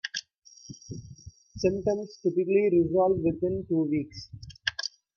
Symptoms typically resolve within two weeks.